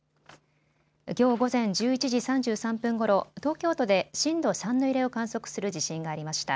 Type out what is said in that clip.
きょう午前１１時３３分ごろ、東京都で震度３の揺れを観測する地震がありました。